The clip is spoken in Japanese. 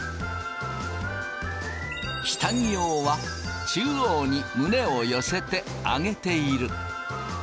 下着用は中央に胸を寄せて上げている。